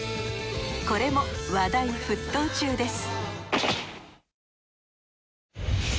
これも話題沸騰中です